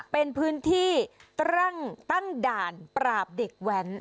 เป็นพื้นที่ตั้งด่านปราบเด็กแว้น